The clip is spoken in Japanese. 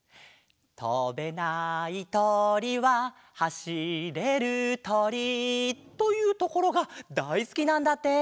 「とべないとりははしれるとり」というところがだいすきなんだって。